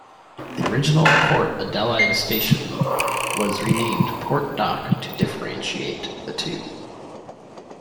The original Port Adelaide station was renamed Port Dock to differentiate the two.